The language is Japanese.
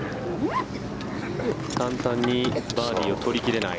簡単にバーディーを取り切れない。